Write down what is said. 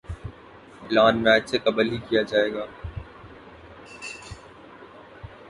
اعلان میچ سے قبل ہی کیا جائے گا